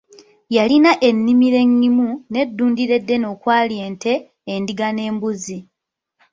Yalina ennimiro engimu n'eddundiro eddene okwali ente, endiga n'embuzi.